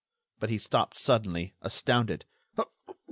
But he stopped suddenly, astounded.